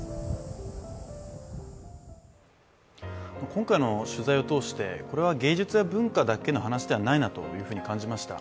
今回の取材を通して、これは芸術や文化だけの話じゃないなと感じました。